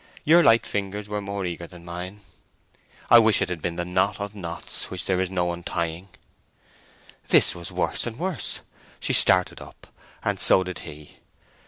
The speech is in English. Your light fingers were more eager than mine. I wish it had been the knot of knots, which there's no untying!" This was worse and worse. She started up, and so did he.